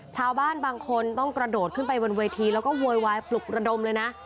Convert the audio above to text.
ชาวบ้านบางคนต้องกระโดดขึ้นไปบนเวทีแล้วก็โวยวายปลุกระดมเลยนะ